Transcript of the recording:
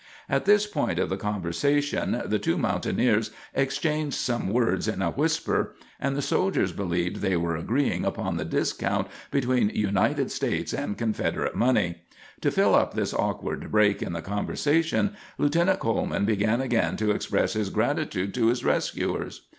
At this point of the conversation, the two mountaineers exchanged some words in a whisper, and the soldiers believed they were agreeing upon the discount between United States and Confederate money. To fill up this awkward break in the conversation, Lieutenant Coleman began again to express his gratitude to his rescuers.